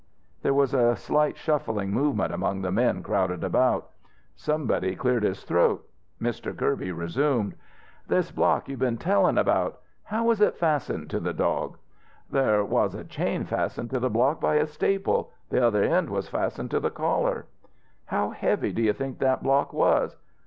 There was a slight shuffling movement amoung the men crowded about. Somebody cleared his throat. Mr. Kirby resumed. "This block you been tellin' about how was it fastened to the dog?" "Thar was a chain fastened to the block by a staple. The other end was fastened to the collar." "How heavy do you think that block was?"